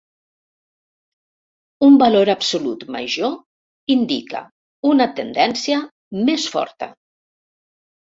Un valor absolut major indica una tendència més forta.